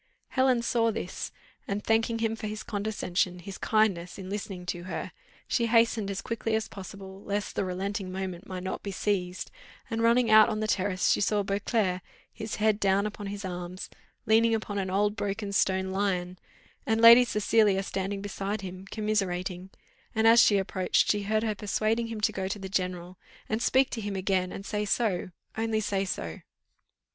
Helen saw this, and, thanking him for his condescension, his kindness, in listening to her, she hastened as quickly as possible, lest the relenting moment might not be seized; and running out on the terrace, she saw Beauclerc, his head down upon his arms, leaning upon an old broken stone lion, and Lady Cecilia standing beside him, commiserating; and as she approached, she heard her persuading him to go to the general, and speak to him again, and say so only say so.